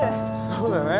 そうだね。